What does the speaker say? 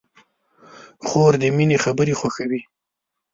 خور د مینې خبرې خوښوي.